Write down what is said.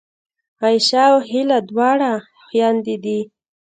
عایشه او هیله دواړه خوېندې دي